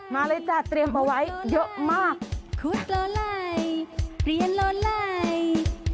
มาเลยจ้ะเตรียมเอาไว้เยอะมาก